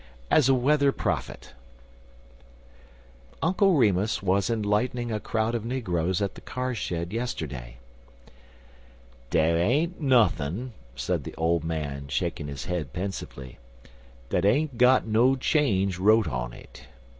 AS A WEATHER PROPHET UNCLE REMUS was enlightening a crowd of negroes at the car shed yesterday. "Dar ain't nuthin'," said the old man, shaking his head pensively, "dat ain't got no change wrote on it.